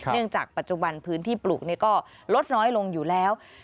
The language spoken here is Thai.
จากปัจจุบันพื้นที่ปลูกก็ลดน้อยลงอยู่แล้ว